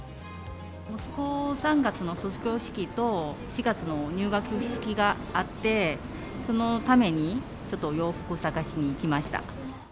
息子、３月の卒業式と４月の入学式があって、そのためにちょっと洋服探しにきました。